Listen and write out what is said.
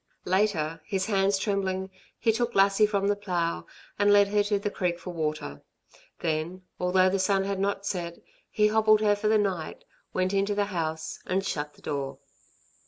Later, his hands trembling, he took Lassie from the plough, and led her to the creek for water. Then, although the sun had not set, he hobbled her for the night, went into the house and shut the door.